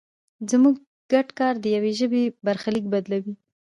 زموږ ګډ کار د یوې ژبې برخلیک بدلوي.